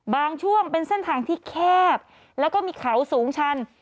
ช่วงเป็นเส้นทางที่แคบแล้วก็มีเขาสูงชัน